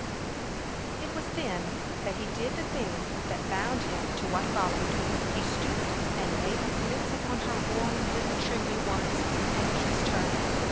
It was then that he did the thing that bound him to what followed. He stooped and laid his lips upon her warm little trembling ones and kissed her.